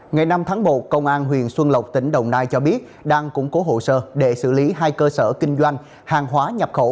ngày năm tháng một công an huyện xuân lộc tỉnh đồng nai cho biết đang củng cố hồ sơ để xử lý hai cơ sở kinh doanh hàng hóa nhập khẩu